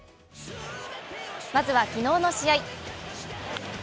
まずは、昨日の試合。